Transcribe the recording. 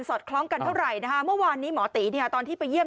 อดคล้องกันเท่าไหร่นะคะเมื่อวานนี้หมอตีเนี่ยตอนที่ไปเยี่ยม